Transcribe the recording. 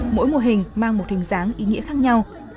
mỗi mô hình mang một hình dáng ý nghĩa khác nhau